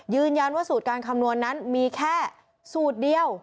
ยืนยันว่าสูตรการคำนวณนั้นมีแค่สูตรเดียว